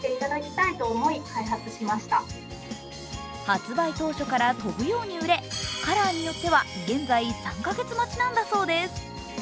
発売当初から飛ぶように売れカレーによっては現在３カ月待ちなんだそうです。